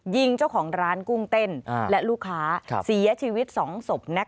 ยิงเจ้าของร้านกุ้งเต้นและลูกค้าเสียชีวิต๒ศพ